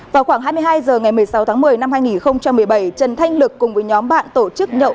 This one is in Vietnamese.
vào khoảng hai mươi hai h ngày một mươi sáu tháng một mươi năm hai nghìn một mươi bảy trần thanh lực cùng với nhóm bạn tổ chức nhậu